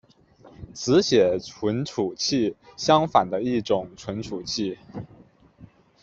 只写存储器相反的一种存储器。